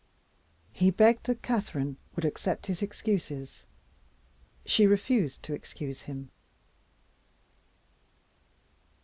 He begged that Catherine would accept his excuses. She refused to excuse him.